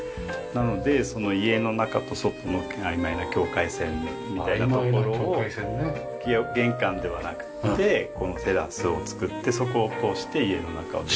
なのでその家の中と外の曖昧な境界線みたいなところを玄関ではなくってこのテラスを作ってそこを通して家の中を。